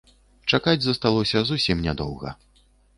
Чакаць засталося зусім нядоўга.